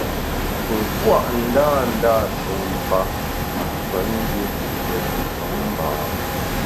Pe pua’ ndândâ sumpa pi pemgbié ne pi pemba.